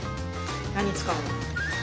何使うの？